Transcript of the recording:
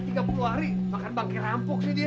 anggapannya tiga puluh hari bahkan bangkit rampok nih dia